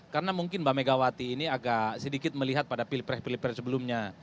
karena mungkin mbak megawati ini agak sedikit melihat pada pilih pilih pilih sebelumnya